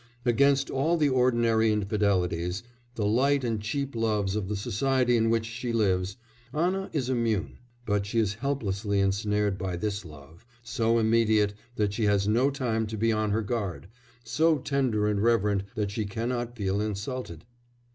Against all the ordinary infidelities, the light and cheap loves of the society in which she lives, Anna is immune, but she is helplessly ensnared by this love, so immediate that she has no time to be on her guard, so tender and reverent that she cannot feel insulted.